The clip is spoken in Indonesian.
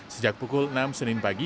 sejak pukul enam senin pagi